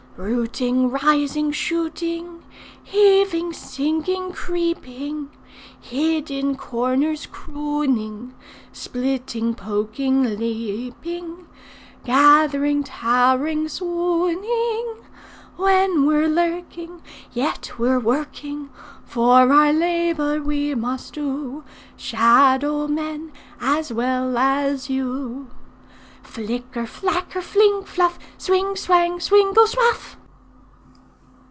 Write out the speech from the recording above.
'Rooting, rising, shooting, Heaving, sinking, creeping; Hid in corners crooning; Splitting, poking, leaping, Gathering, towering, swooning. When we're lurking, Yet we're working, For our labour we must do, Shadow men, as well as you. Flicker, flacker, fling, fluff! Swing, swang, swingle, swuff!'